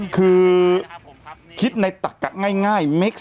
แต่หนูจะเอากับน้องเขามาแต่ว่า